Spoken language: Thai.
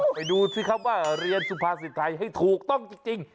ดูสิครับว่าเรียนสุภาษิตไทยให้ถูกต้องจริง